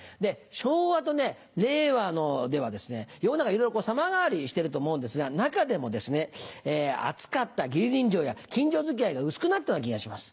昭和と令和では世の中いろいろ様変わりしてると思うんですが中でも厚かった義理人情や近所付き合いが薄くなったような気がします